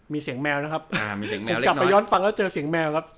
มีเสียงแมวนะครับอ่ามีเสียงแมวเล็กหน่อยกลับไปย้อนฟังแล้วเจอเสียงแมวครับ